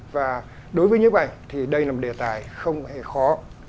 và đối với nhiếp ảnh thì đây là một đề tài không hề khó